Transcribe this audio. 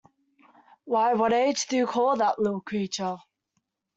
Why, what age do you call that little creature?